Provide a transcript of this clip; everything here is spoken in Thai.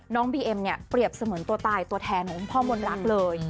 น้องบีเอ็มเนี่ยเปรียบเสมินตัวตายตัวแทนของพ่อมนต์ลักษณ์เลย